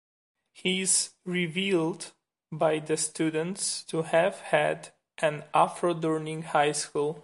He is revealed by the students to have had an Afro during high school.